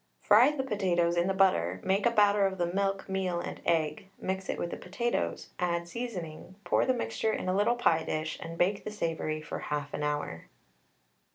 Fry the potatoes in the butter, make a batter of the milk, meal, and egg, mix it with the potatoes, add seasoning, pour the mixture in a little pie dish, and bake the savoury for half an hour.